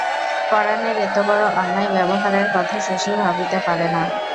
পরানের এতবড় অন্যায় ব্যবহারের কথা শশী ভাবিতে পারে না।